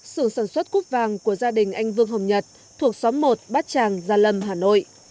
sưởng sản xuất cúp vàng của gia đình anh vương hồng nhật thuộc xóm một bát tràng gia lâm hà nội